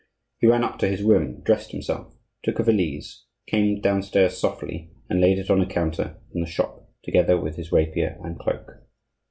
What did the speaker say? He ran up to his room, dressed himself, took a valise, came downstairs softly and laid it on a counter in the shop, together with his rapier and cloak.